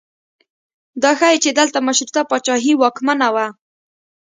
دا ښیي چې دلته مشروطه پاچاهي واکمنه وه.